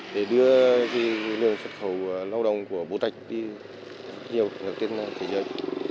vì lượng xuất khẩu lao động của bố tạch đi nhiều được tiến ra thế giới